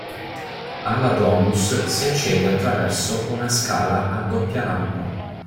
Alla "domus" si accede attraverso una scala a doppia rampa.